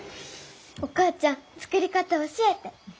お母ちゃん作り方教えて。